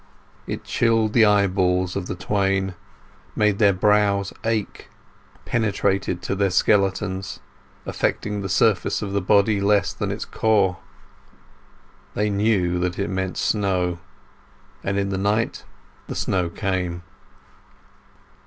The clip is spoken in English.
It chilled the eyeballs of the twain, made their brows ache, penetrated to their skeletons, affecting the surface of the body less than its core. They knew that it meant snow, and in the night the snow came.